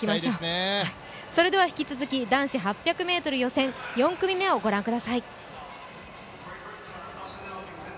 引き続き男子８００ｍ予選、４組目をご覧ください。